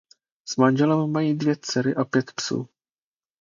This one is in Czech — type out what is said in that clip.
S manželem mají dvě dcery a pět psů.